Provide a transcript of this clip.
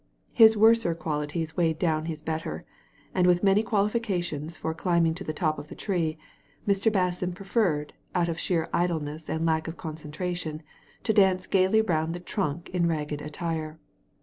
His worser qualities weighed down his better ; and with many qualifications for climbing to the top of the tree, Mr. Basson preferred, out of sheer idleness and lack of concentration, to dance gaily round the trunk in ragged attire.